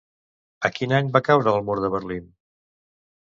A quin any va caure el mur de Berlín?